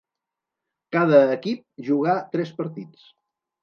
Cada equip jugà tres partits.